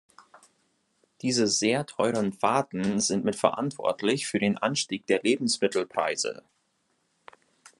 Diese sehr teuren Fahrten sind mit verantwortlich für den Anstieg der Lebensmittelpreise.